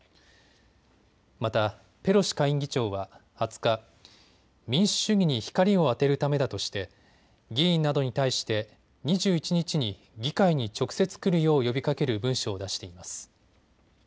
また、ペロシ下院議長は２０日、民主主義に光を当てるためだとして議員などに対して２１日に議会に直接来るよう呼びかける文書を出しています。